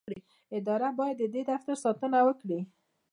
اداره باید د دې دفتر ساتنه وکړي.